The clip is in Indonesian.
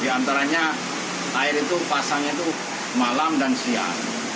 di antaranya air itu pasangnya itu malam dan siang